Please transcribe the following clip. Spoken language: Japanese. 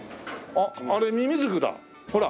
あっあれミミズクだほら。